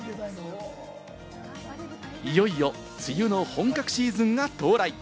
いよいよ、梅雨の本格シーズンが到来。